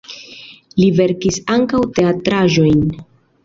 Li verkis ankaŭ teatraĵojn.